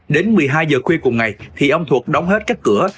đến một mươi hai giờ khuya cùng ngày thì ông thuật đóng hết các cửa